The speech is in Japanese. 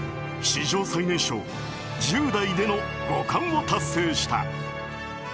史上最年少１０代での五冠を達成した。